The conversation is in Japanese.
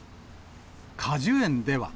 果樹園では。